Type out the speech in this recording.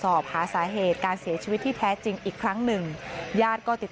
สอบหาสาเหตุการเสียชีวิตที่แท้จริงอีกครั้งหนึ่งญาติก็ติด